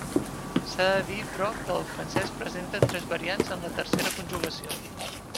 S'ha de dir, però, que el francès presenta tres variants en la tercera conjugació.